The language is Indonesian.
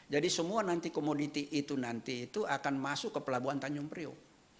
jadi semua nanti komoditi itu nanti itu akan masuk ke pelabuhan tanjung priok